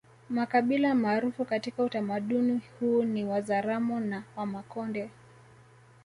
Makabila maarufu katika utamaduni huu ni Wazaramo na Wamakonde